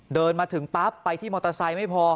เดินมาถึงปั๊บไปที่มอเตอร์ไซค์ไม่พอ